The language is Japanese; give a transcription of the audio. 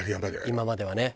今まではね。